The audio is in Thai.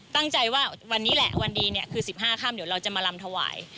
ตั้งใจว่าวันนี้แหละวันดีเนี่ยคือ๑๕ค่ำเดี๋ยวเราจะมาลำถวาย